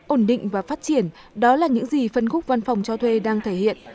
ổn định và phát triển đó là những gì phân khúc văn phòng cho thuê đang thể hiện